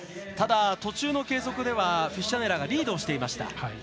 ただ、途中の計測ではフィッシャネラーがリードしていました。